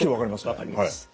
分かります。